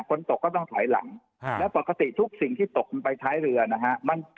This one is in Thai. ฝนตกก็ต้องถอยหลังและปกติทุกสิ่งที่ตกลงไปท้ายเรือนะฮะ